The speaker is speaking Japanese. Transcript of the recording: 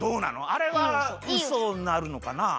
あれはウソになるのかな？